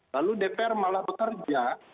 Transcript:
lalu dpr malah bekerja